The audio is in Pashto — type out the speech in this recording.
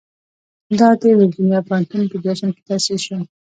دا د ورجینیا پوهنتون په جشن کې تاسیس شو.